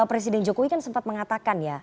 presiden jokowi kan sempat mengatakan ya